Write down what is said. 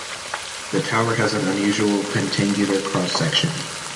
The tower has an unusual pentangular cross section.